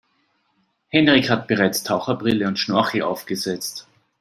Henrik hat bereits Taucherbrille und Schnorchel aufgesetzt.